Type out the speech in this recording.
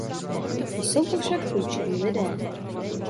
Jsou to však klíčoví lidé.